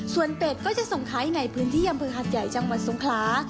ส่วนเป็ดก็จะส่งขายในพื้นที่อำเภอหัดใหญ่จังหวัดสงขลา